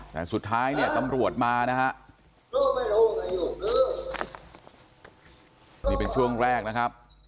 แต่สุดท้ายเนี่ยตำรวจมานะฮะนี่เป็นช่วงแรกนะครับ